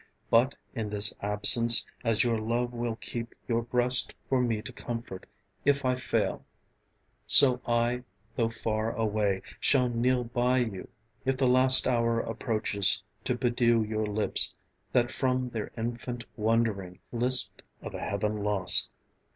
But in this absence, as your love will keep Your breast for me for comfort, if I fall, So I, though far away, shall kneel by you If the last hour approaches, to bedew Your lips that from their infant wondering Lisped of a heaven lost.